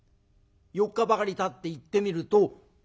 ４日ばかりたって行ってみると。